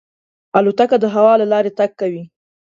الوتکه د هوا له لارې تګ کوي.